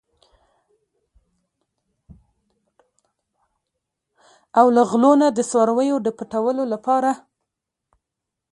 او له غلو نه د څارویو د پټولو لپاره.